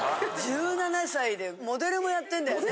１７歳でモデルもやってんだよね。